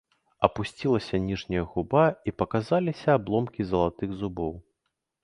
Апусцілася ніжняя губа, і паказаліся абломкі залатых зубоў.